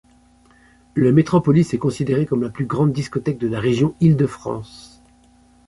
Le Metropolis est considéré comme la plus grande discothèque de la région Île-de-France.